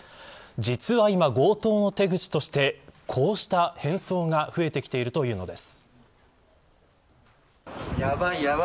実は今、強盗の手口としてこうした変装が増えてきているというのです。